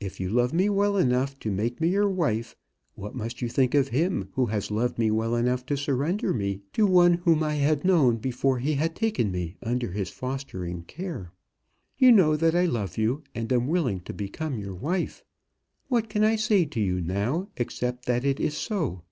If you love me well enough to make me your wife, what must you think of him who has loved me well enough to surrender me to one whom I had known before he had taken me under his fostering care? You know that I love you, and am willing to become your wife. What can I say to you now, except that it is so.